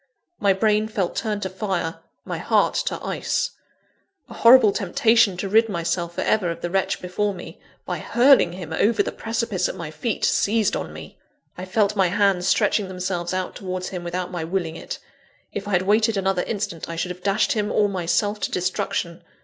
My brain felt turned to fire; my heart to ice. A horrible temptation to rid myself for ever of the wretch before me, by hurling him over the precipice at my feet, seized on me. I felt my hands stretching themselves out towards him without my willing it if I had waited another instant, I should have dashed him or myself to destruction.